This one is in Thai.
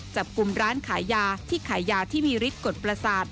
จับกลุ่มร้านขายยาที่ขายยาที่มีฤทธิกฎประสาท